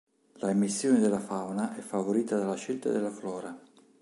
La immissione della fauna è favorita dalla scelta della flora.